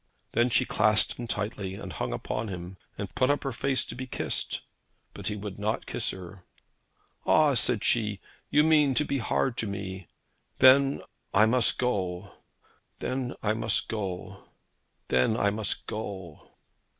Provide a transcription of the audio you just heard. Then she clasped him tightly, and hung upon him, and put up her face to be kissed. But he would not kiss her. 'Ah,' said she; 'you mean to be hard to me. Then I must go; then I must go; then I must go.'